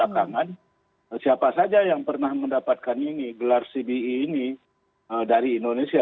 karena siapa saja yang pernah mendapatkan ini gelar cbe ini dari indonesia